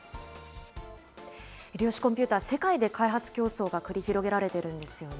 量子コンピューター、世界で開発競争が繰り広げられているんですよね。